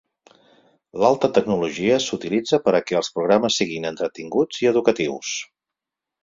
L'alta tecnologia s'utilitza per a que els programes siguin entretinguts i educatius.